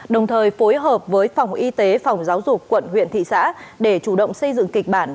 đồng thời phối hợp với phòng y tế phòng giáo dục quận huyện thị xã để chủ động xây dựng kịch bản